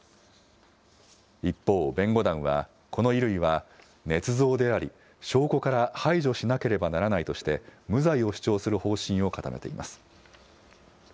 一方、弁護団は、この衣類はねつ造であり、証拠から排除しなければならないとして無罪を主張する方針を固めています。